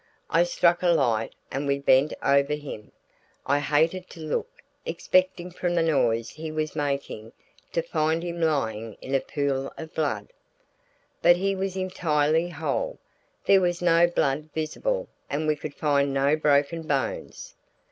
I struck a light and we bent over him. I hated to look, expecting from the noise he was making to find him lying in a pool of blood. But he was entirely whole; there was no blood visible and we could find no broken bones.